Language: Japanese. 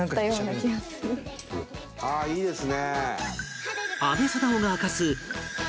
ああいいですね。